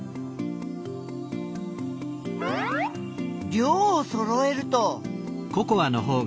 量をそろえると。